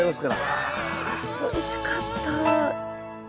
おいしかった。